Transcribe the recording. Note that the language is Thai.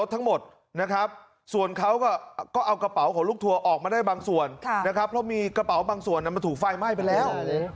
พอมีกระเป๋าบางส่วนอย่างนั้นมันถูกไฟไหม้ไปแล้ว